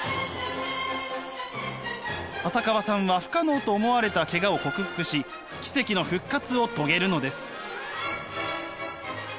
浅川さんは不可能と思われたケガを克服し奇跡の復活を遂げるのです。